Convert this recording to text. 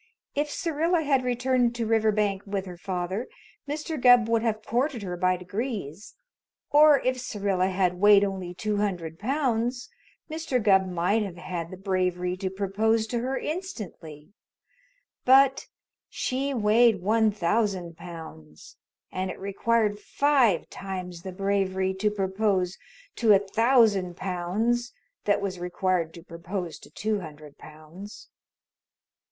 If Syrilla had returned to Riverbank with her father, Mr. Gubb would have courted her by degrees, or if Syrilla had weighed only two hundred pounds, Mr. Gubb might have had the bravery to propose to her instantly, but she weighed one thousand pounds, and it required five times the bravery to propose to a thousand pounds that was required to propose to two hundred pounds.